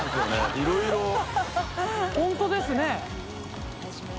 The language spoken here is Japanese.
い蹐い蹇帖本当ですね。